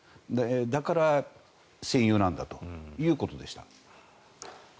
だから戦友なんだということでした。